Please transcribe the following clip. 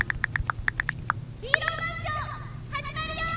ヒーローマンショー始まるよ！